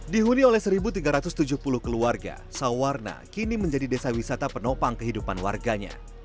dihuni oleh satu tiga ratus tujuh puluh keluarga sawarna kini menjadi desa wisata penopang kehidupan warganya